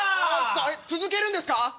続けるんですか？